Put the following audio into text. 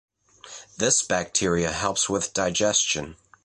This bacteria helps with digestion.